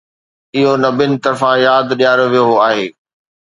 اهو نبين طرفان ياد ڏياريو ويو آهي.